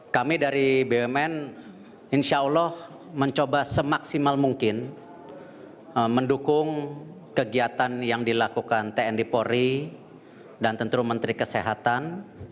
kami dari bumn insya allah mencoba semaksimal mungkin mendukung kegiatan yang dilakukan tni polri dan tentu menteri kesehatan